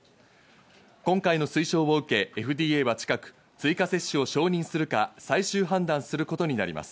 今回の推奨を受け、ＦＤＡは近く、追加接種を承認するか、最終判断することになります。